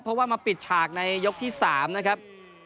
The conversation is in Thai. แล้วก็ปิดฉากในยกที่สามนะครับ